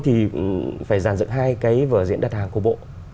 thì phải giàn dựng hai cái vở diễn đặt hàng của bộ